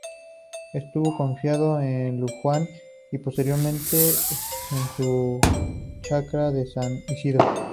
Estuvo confinado en Luján y posteriormente en su chacra de San Isidro.